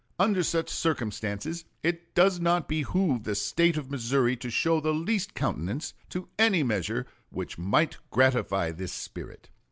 Under such circumstances it does not behoove the State of Missouri to show the least countenance to any measure which might gratify this spirit.